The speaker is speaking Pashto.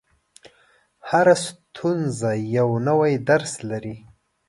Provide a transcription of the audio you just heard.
• هره ستونزه یو نوی درس لري.